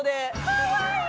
かわいい。